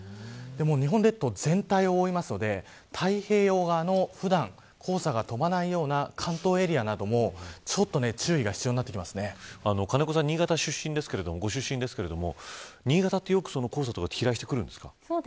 日本列島全体を覆いますので太平洋側の普段、黄砂が飛ばないような関東エリアなどもちょっと注意が金子さん、新潟ご出身ですけど新潟ってよく黄砂が飛来するんですか。